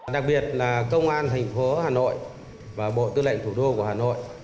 đặc biệt là công an thành phố hà nội và bộ tư lệnh thủ đô của hà nội